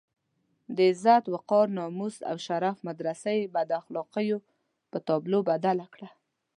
د عزت، وقار، ناموس او شرف مدرسه یې بد اخلاقيو په تابلو بدله کړه.